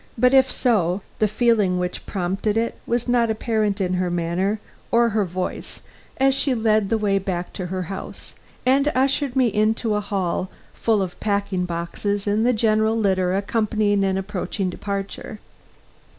But if so, the feeling which prompted it was not apparent in her manner or her voice as she led the way back to her house, and ushered me into a hall full of packing boxes and the general litter accompanying an approaching departure.